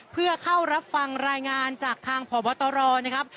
เพื่อเข้ารับฟังรายงานจากทางพบตรนะครับ